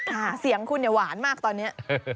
ค่ะเสียงคุณหวานมากตอนนี้